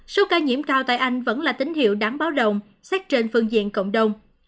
số ca nhiễm cao tại anh vẫn là tín hiệu đáng báo động xét trên phương diện cộng đồng